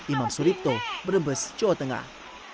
imam suripto brebes jawa tengah